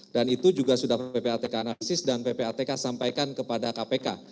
dan itu juga sudah ppatk analisis dan ppatk sampaikan kepada kpk